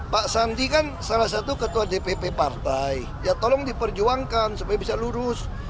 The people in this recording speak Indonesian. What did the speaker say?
pak sandi kan salah satu ketua dpp partai ya tolong diperjuangkan supaya bisa lurus